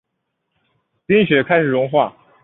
冰雪开始融化